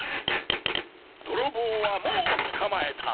どろぼうはもうつかまえた。